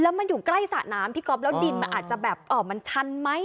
มันอยู่ใกล้สระน้ำพี่ก๊อฟแล้วดินมันอาจจะแบบมันชันไหม